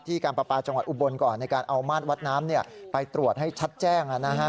การประปาจังหวัดอุบลก่อนในการเอามาดวัดน้ำไปตรวจให้ชัดแจ้ง